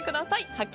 発見！